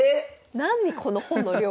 なにこの本の量！